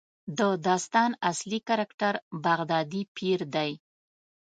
د داستان اصلي کرکټر بغدادي پیر دی.